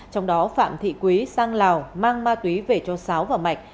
trong đó phạm thị quý sang lào mang ma túy về cho sáo và mạch